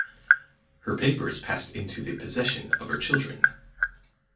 Her papers passed into the possession of her children.